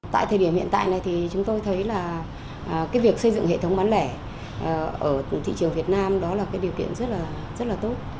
tại thời điểm hiện tại này thì chúng tôi thấy là cái việc xây dựng hệ thống bán lẻ ở thị trường việt nam đó là cái điều kiện rất là tốt